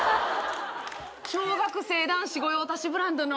小学生男子御用達ブランドの。